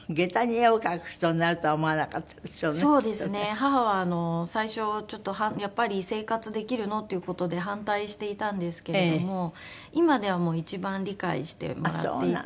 母は最初ちょっとやっぱり生活できるの？っていう事で反対していたんですけれども今ではもう一番理解してもらっていて。